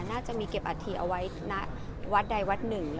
น่าจะมีเก็บอัฐิเอาไว้ณวัดใดวัดหนึ่ง